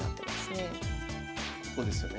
ここですよね？